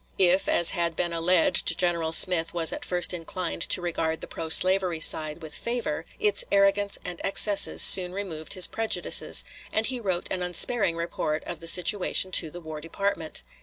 If, as had been alleged, General Smith was at first inclined to regard the pro slavery side with favor, its arrogance and excesses soon removed his prejudices, and he wrote an unsparing report of the situation to the War Department.